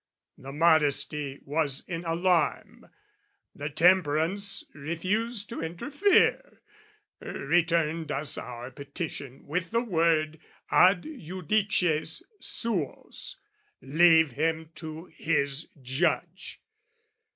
The modesty was in alarm, The temperance refused to interfere, Returned us our petition with the word "Ad judices suos," "Leave him to his Judge!"